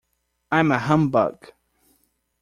I am a humbug.